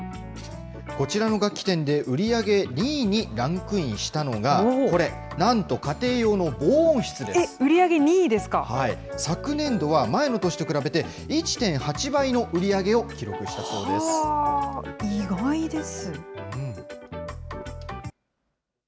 こちらの楽器店で売り上げ２位にランクインしたのがこれ、なんとえっ、売り上げ２位ですか。昨年度は前の年と比べて、１．８倍の売り上げを記録したそうで意外です。